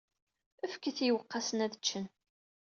Fket-t i yiweqqasen ad t-ččen.